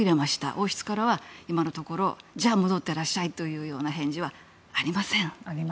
王室からは今のところ、じゃあ戻ってらっしゃいというような返事はありません。